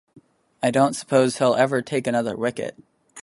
I don't suppose he'll ever take another wicket.